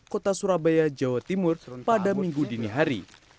kota surabaya jawa timur pada minggu dini hari